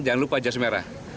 jangan lupa jas merah